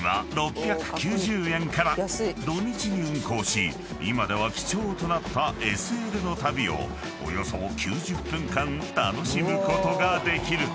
［土日に運行し今では貴重となったＳＬの旅をおよそ９０分間楽しむことができる］